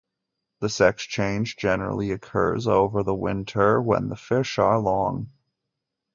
The sex change generally occurs over the winter when the fish are long.